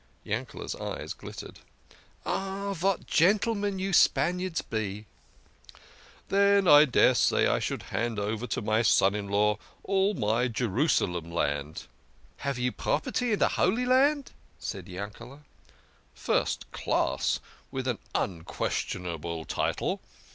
Yankee's eyes glittered. "Ah, vat gentlemen you Spaniards be !"" Then I daresay I should hand over to my son in law all my Jerusalem land." " Have you property in de Holy Land? " said Yankel6. "First class, with an unquestionable title.